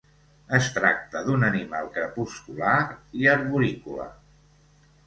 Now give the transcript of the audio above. Es tracta d'un animal crepuscular i arborícola.